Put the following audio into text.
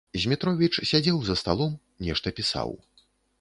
Змітровіч сядзеў за сталом, нешта пісаў.